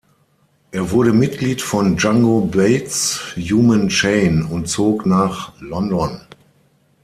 Er wurde Mitglied von Django Bates’ „Human Chain“ und zog nach London.